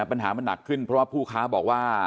ปัญหามันหนักขึ้นเพราะว่าผู้ค้าบอกว่า